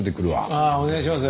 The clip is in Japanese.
ああお願いします。